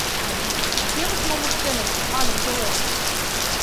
— Тевыс мом ыштеныт! — манын пелештыш.